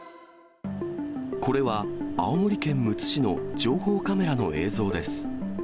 これは、青森県むつ市の情報カメラの映像です。